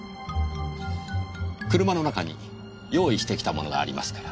車の中に用意してきたものがありますから。